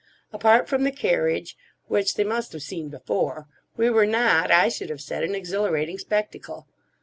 Apart from the carriage, which they must have seen before, we were not, I should have said, an exhilarating spectacle.